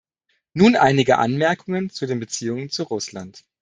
Nun einige Anmerkungen zu den Beziehungen zu Russland.